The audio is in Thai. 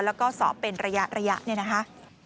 แล้วก็สอบเป็นระยะเนี่ยนะคะ